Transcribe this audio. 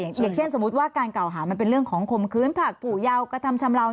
อย่างเช่นสมมุติว่าการกล่าวหามันเป็นเรื่องของคมคืนผลักผู้ยาวกระทำชำเลา